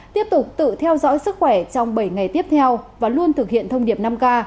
tiếp tục tự theo dõi sức khỏe trong bảy ngày tiếp theo và luôn thực hiện thông điệp năm k